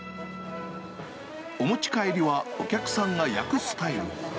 お持ち帰りはお客さんが焼くスタイル。